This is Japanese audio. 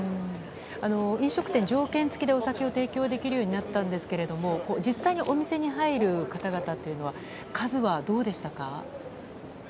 飲食店、条件付きでお酒を提供できるようになったんですが実際にお店に入る方々というのは数はどうでしたか？